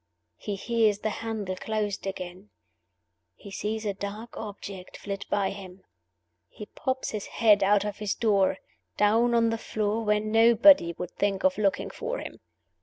He hears the handle closed again; he sees a dark object flit by him; he pops his head out of his door, down on the floor where nobody would think of looking for him.